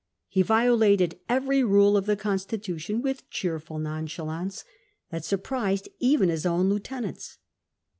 He violated every rule of the constitution with a cheerful nonchalance C^SAR 310 that surprised even his own lieutenants.